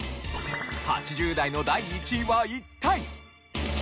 ８０代の第１位は一体？